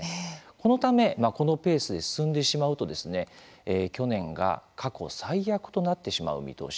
このためこのペースで進んでしまうと去年が過去最悪となってしまう見通し。